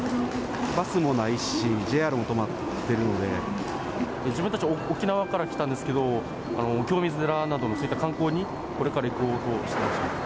バスもないし、自分たち、沖縄から来たんですけど、清水寺などの、そういった観光に、これから行こうとしてました。